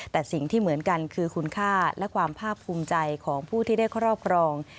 แต่สิ่งที่เหมือนกันคือคุณค่าและความภาคภูมิใจของผู้ที่ได้ครอบครอง